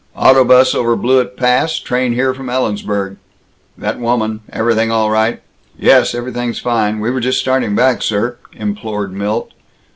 "Auto 'bus over Blewett Pass, train here from Ellensburg. That woman everything all right?" "Yes, everything's fine. We were just starting back, sir," implored Milt.